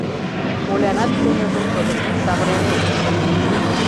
Колянат кумылжым содыки савырен шуктышым.